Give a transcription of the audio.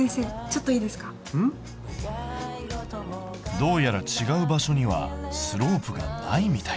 どうやら違う場所にはスロープがないみたい。